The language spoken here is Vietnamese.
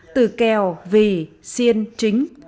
từ kèo vì xiên chính